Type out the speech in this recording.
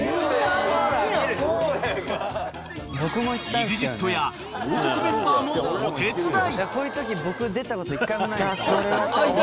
［ＥＸＩＴや『王国』メンバーもお手伝い］